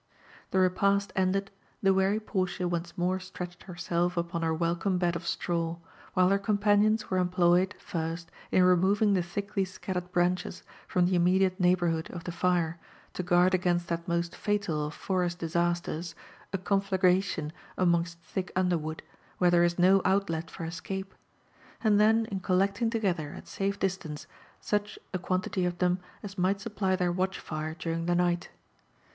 The repast ended, (he weary Portia once more stretched herself upon her welcome bed of straw; while her companions were employed, first, in remoTing the thickly scattered branches from the immediate neighbourhood of the fire, to guard against that most fatal of forest dis asters, a eonflagration amongst thick underwood, where there is no outlet for escape ; and then in collecting together, at safe distance, such a quantity of them as might supply their watch fire during the night.